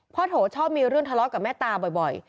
โถชอบมีเรื่องทะเลาะกับแม่ตาบ่อย